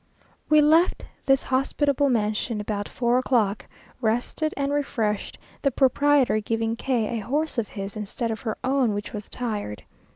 We left this hospitable mansion about four o'clock, rested and refreshed, the proprietor giving K a horse of his, instead of her own, which was tired.